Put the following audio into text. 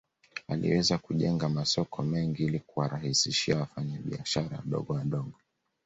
Aliweza kujenga masoko mengi ili kuwarahisishia wafanya biashara wadogo wadogo